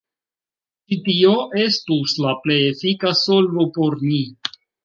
Ĉi tio estus la plej efika solvo por ni.